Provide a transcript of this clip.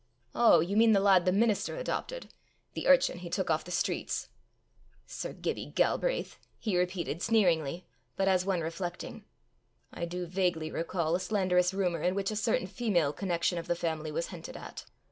"Oh! you mean the lad the minister adopted! the urchin he took off the streets! Sir Gibbie Galbraith!" he repeated sneeringly, but as one reflecting. " I do vaguely recall a slanderous rumour in which a certain female connection of the family was hinted at.